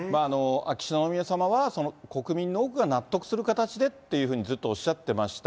秋篠宮さまは国民の多くが納得する形でって、ずっとおっしゃってました。